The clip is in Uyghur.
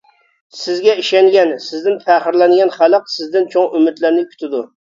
سىزگە ئىشەنگەن، سىزدىن پەخىرلەنگەن خەلق سىزدىن چوڭ ئۈمىدلەرنى كۈتىدۇ!